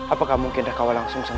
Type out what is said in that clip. apakah mungkin rakaulah langsung sang